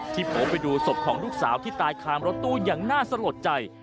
โผล่ไปดูศพของลูกสาวที่ตายคามรถตู้อย่างน่าสะลดใจ